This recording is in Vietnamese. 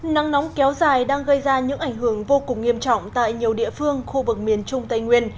nắng nóng kéo dài đang gây ra những ảnh hưởng vô cùng nghiêm trọng tại nhiều địa phương khu vực miền trung tây nguyên